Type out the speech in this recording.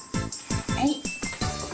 はい。